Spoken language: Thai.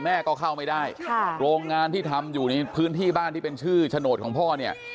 แม่ก็เข้าไม่ได้โรงงานที่ทำอยู่ในพื้นที่บ้านที่เป็นชื่อโฉนดของพ่อเนี่ย